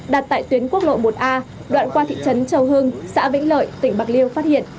đặt tại tuyến quốc lộ một a đoạn qua thị trấn châu hưng xã vĩnh lợi tỉnh bạc liêu phát hiện